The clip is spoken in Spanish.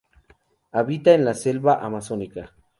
Habita en la selva amazónica.